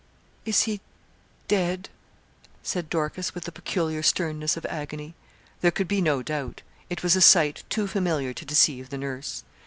'Is he dead?' said Dorcas, with the peculiar sternness of agony. There could be no doubt. It was a sight too familiar to deceive the nurse.